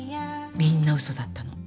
みんなウソだったの。